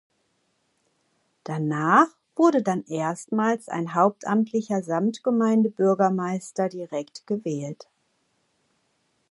Danach wurde dann erstmals ein hauptamtlicher Samtgemeindebürgermeister direkt gewählt.